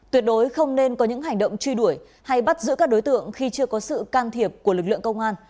tuyệt đối không nên có những hành động truy đuổi hay bắt giữ các đối tượng khi chưa có sự can thiệp của lực lượng công an